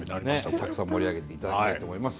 たくさん盛り上げていただきたいと思います。